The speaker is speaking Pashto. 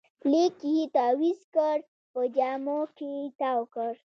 لیک یې تاویز کړ، په جامو کې تاوکړ